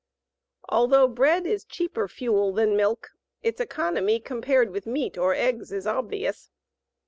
Although bread is cheaper fuel than milk, its economy compared with meat or eggs is obvious.